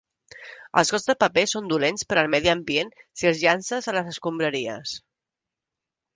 Els gots de paper són dolents per al medi ambient si els llances a les escombraries.